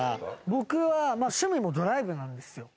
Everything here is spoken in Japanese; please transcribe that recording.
僕は趣味もドライブなんですよ。